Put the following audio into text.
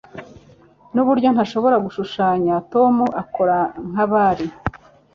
Nuburyo ntashobora gushushanya Tom akora nkabari.